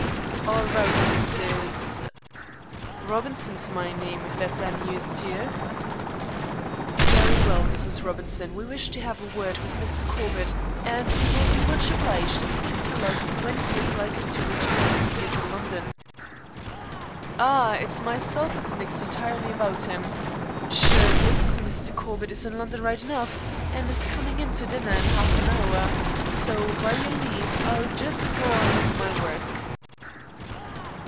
"All right, Mrs. " "Robinson's my name, if that's anny use to ye." "Very well, Mrs. Robinson. We wish to have a word with Mr. Corbett, and we will be much obliged if you can tell us when he is likely to return, if he is in London." "Arrah, it's meself is mixed intirely about him. Sure this Mr. Corbett is in London right enough, and is comin' in to dinner in half an hour, so by yer lave I'll jist go on wid me wurruk."